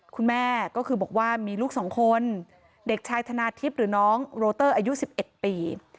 คุณแม่ก็คือบอกว่ามีลูก๒คนเด็กชายธนาทิพย์หรือน้องโรเตอร์อายุ๑๑ปี